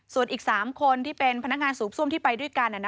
ส่วนอีก๓คนที่เป็นพนักงานสูบซ่วมที่ไปด้วยกัน